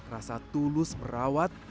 rasa tulus merawat